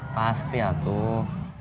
pasti ya tuh